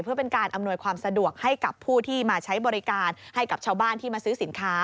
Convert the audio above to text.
เพื่อเป็นการอำนวยความสะดวกให้กับผู้ที่มาใช้บริการให้กับชาวบ้านที่มาซื้อสินค้า